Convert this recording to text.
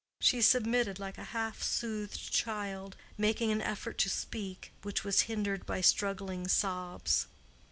She submitted like a half soothed child, making an effort to speak, which was hindered by struggling sobs.